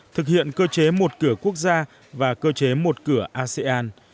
thực hiện cơ chế một cửa quốc gia và cơ chế một cửa asean